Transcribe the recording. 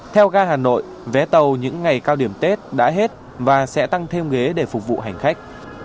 theo ga hà nội vé tàu những ngày cao điểm tết đã hết và sẽ tăng thêm ghế để phục vụ hành khách